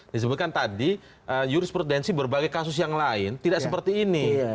disebutkan tadi jurisprudensi berbagai kasus yang lain tidak seperti ini